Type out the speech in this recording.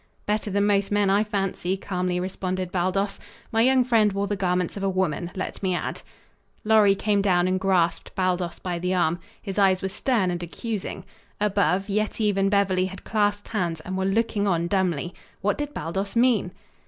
"Better than most men, I fancy," calmly responded Baldos. "My young friend wore the garments of a woman, let me add." Lorry came down and grasped Baldos by the arm. His eyes were stern and accusing. Above, Yetive and Beverly had clasped hands and were looking on dumbly. What did Baldos mean?